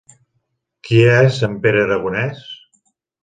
Qui és en Pere Aragonès?